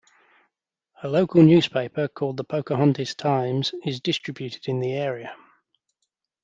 A local newspaper called "The Pocahontas Times" is distributed in the area.